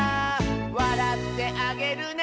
「わらってあげるね」